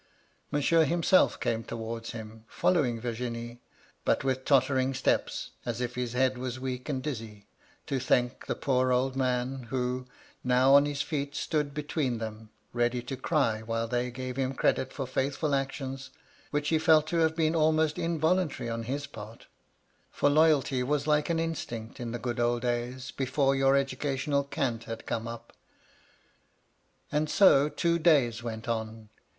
Monsieur himself came towards him, — following Virginie, — but with tottering steps, as if his head was weak and dizzy, to thank the poor old man, who, now on his feet, stood between them, ready to cry while they gave him credit for £sdthful actions which he felt to have been almost inr voluntary on his part, — ^for loyalty was like an instinct in the good old days, before your educational cant had come up. And so two days went on.